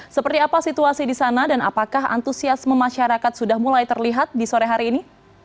seperti apa situasi di sana dan apakah antusiasme masyarakat sudah mulai terlihat di sore hari ini